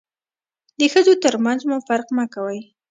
د ښځو تر منځ مو فرق مه کوئ.